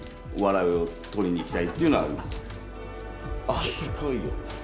あっすごいよ。